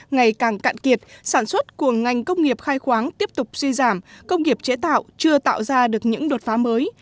ngày càng cạn kiệt sản xuất của ngành công nghiệp khai khoáng tiếp tục suy giảm công nghiệp chế tạo chưa tạo ra được những đột phá mới